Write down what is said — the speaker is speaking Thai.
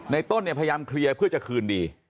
ต้นเนี่ยพยายามเคลียร์เพื่อจะคืนดี